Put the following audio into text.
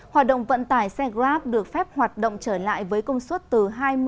hoạt động vận tải xe grab được phép hoạt động trở lại với công suất từ hai mươi